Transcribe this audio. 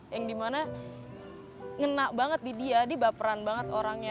yang dimana ngena banget di dia dia baperan banget orangnya